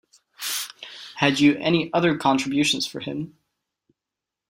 Had you any other contributions for him?